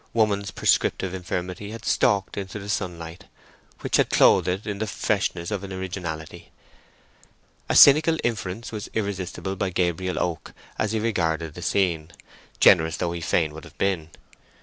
Woman's prescriptive infirmity had stalked into the sunlight, which had clothed it in the freshness of an originality. A cynical inference was irresistible by Gabriel Oak as he regarded the scene, generous though he fain would have been.